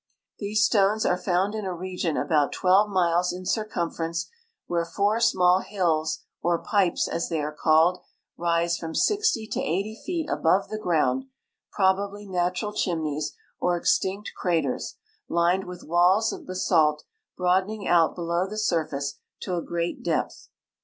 The.se stones are found in a region about twelve miles in cir cumference, where four small hills or pipes, as they arc called, rise from 60 to 80 feet above the ground, i)rol)al)l}^ natural chim nej's or extinct craters, lined with walls of basalt, broadening out below the surface to a great dei)th.